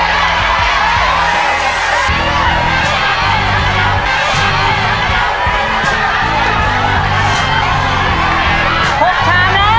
๖ชามแล้ว